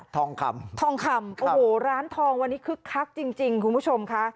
ทองคำทองคำโอ้โหร้านทองวันนี้คึกคักจริงคุณผู้ชมค่ะ